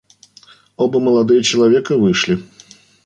Оба молодые человека вышли.